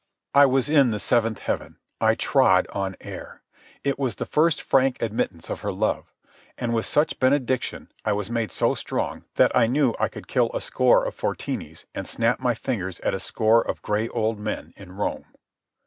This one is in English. I was in the seventh heaven. I trod on air. It was the first frank admittance of her love. And with such benediction I was made so strong that I knew I could kill a score of Fortinis and snap my fingers at a score of gray old men in Rome.